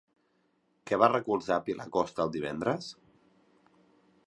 Què va recolzar Pilar Costa el divendres?